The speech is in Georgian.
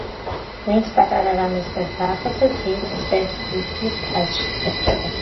ვინც პატარა რამეს ვერ დააფასებს, ის ვერც დიდის ფასს მიხვდება